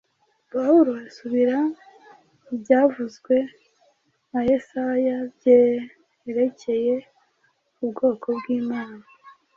Pawulo asubira mu byavuzwe na Yesaya byerekeye ubwoko bw’Imana